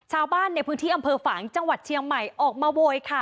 ชาวบ้านในพื้นที่อำเภอฝางจังหวัดเชียงใหม่ออกมาโวยค่ะ